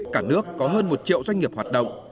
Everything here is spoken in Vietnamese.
cả nước có hơn một triệu doanh nghiệp hoạt động